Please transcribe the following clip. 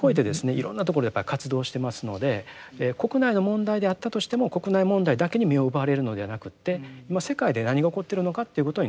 いろんなところで活動してますので国内の問題であったとしても国内問題だけに目を奪われるのではなくて今世界で何が起こっているのかということにですね